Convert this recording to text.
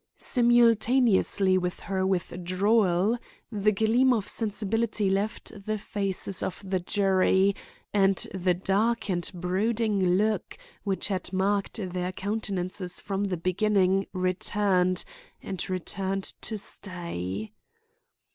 Simultaneously with her withdrawal the gleam of sensibility left the faces of the jury, and the dark and brooding look which had marked their countenances from the beginning returned, and returned to stay.